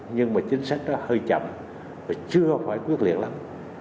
nhưng mà chính sách nó hơi chậm và chưa phải quyết liệt lắm